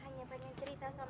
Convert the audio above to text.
hanya pengen cerita sama